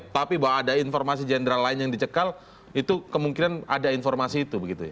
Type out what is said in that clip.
tapi bahwa ada informasi jenderal lain yang dicekal itu kemungkinan ada informasi itu begitu ya